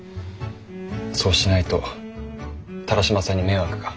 そうしないと田良島さんに迷惑が。